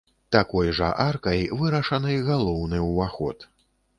Такой жа аркай вырашаны галоўны ўваход.